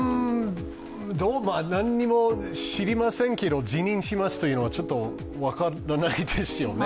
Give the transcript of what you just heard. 何も知りませんけど、辞任しますというのはちょっと分からないですよね。